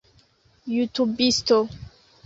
jutubisto